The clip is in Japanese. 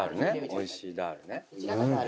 美味しいダールね。